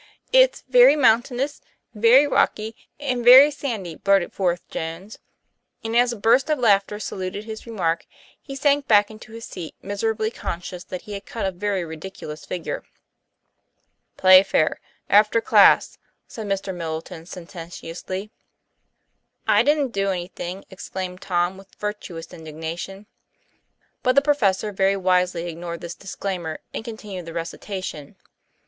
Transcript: It's very mountainous, very rocky, and very sandy," blurted forth Jones, and as a burst of laughter saluted his remark he sank back into his seat misera bly conscious that he had cut a very ridiculous figure. "Playfair, after class," said Mr. Middleton sen tentiously. "I didn't do anything," exclaimed Tom with vir tuous indignation. But the professor very wisely ignored this dis claimer, and continued the recitation.